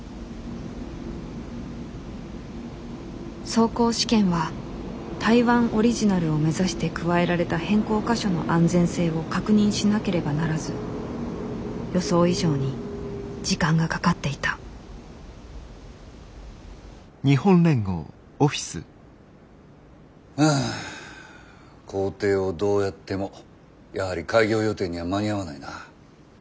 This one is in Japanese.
走行試験は台湾オリジナルを目指して加えられた変更箇所の安全性を確認しなければならず予想以上に時間がかかっていたうん工程をどうやってもやはり開業予定には間に合わないな。